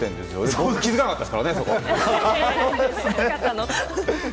僕、気づかなかったからですかね